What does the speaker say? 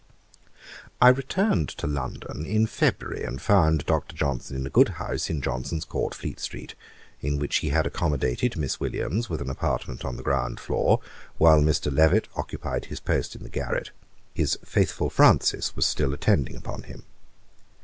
I returned to London in February, and found Dr. Johnson in a good house in Johnson's Court, Fleet street, in which he had accommodated Miss Williams with an apartment on the ground floor, while Mr. Levett occupied his post in the garret: his faithful Francis was still attending upon him.